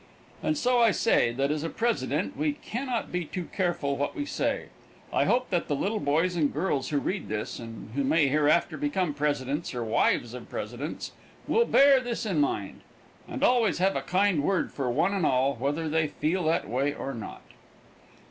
And so I say that as a president we can not be too careful what we say. I hope that the little boys and girls who read this, and who may hereafter become presidents or wives of presidents, will bear this in mind, and always have a kind word for one and all, whether they feel that way or not.